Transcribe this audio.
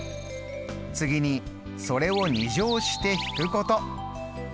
次にそれを２乗して引くこと。